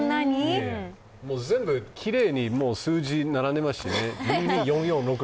全部きれいに数字が並んでますしね。